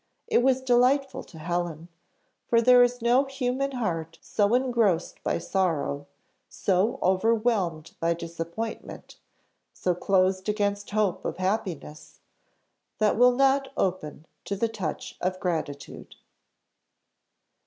It was delightful to Helen; for there is no human heart so engrossed by sorrow, so over whelmed by disappointment, so closed against hope of happiness, that will not open to the touch of gratitude.